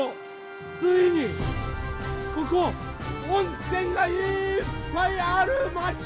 ついにここ温泉がいっぱいあるまち